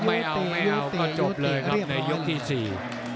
ไม่เอาไม่เอาก็จบเลยครับในยกที่สี่